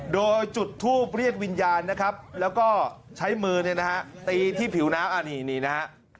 โดยจุดทูปเรียกวิญญาณนะครับแล้วก็ใช้มือเนี่ยนะฮะตีที่ผิวน้ำอันนี้นี่นะฮะ